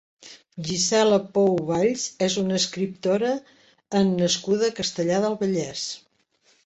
Gisela Pou Valls és una escriptora en nascuda a Castellar del Vallès.